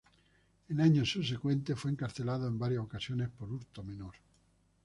En años subsecuentes fue encarcelado en varias ocasiones por hurto menor.